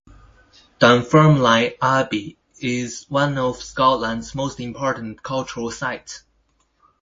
Dunfermline Abbey is one of Scotland's most important cultural sites.